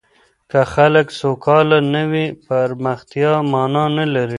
که خلګ سوکاله نه وي، پرمختيا مانا نلري.